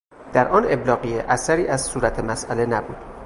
در آن ابلاغیه اثری از صورت مساله نبود